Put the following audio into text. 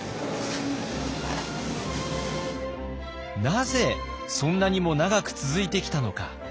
なぜそんなにも長く続いてきたのか。